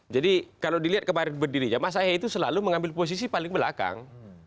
jadi kalau dilihat kemarin berdirinya mas ahai itu selalu mengambil posisi paling belakang